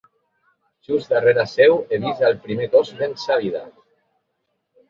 Just darrere seu, he vist el primer cos sense vida.